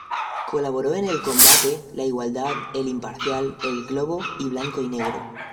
Colaboró en "El Combate", "La Igualdad", "El Imparcial", "El Globo" y "Blanco y Negro".